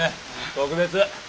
特別。